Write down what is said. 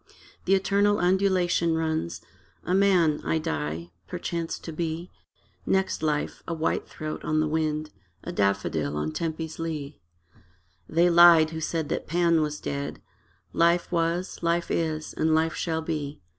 The eternal undulation runs: A man, I die: perchance to be, Next life, a white throat on the wind, A daffodil on Tempe's lea. They lied who said that Pan was dead: Life was, life is, and life shall be.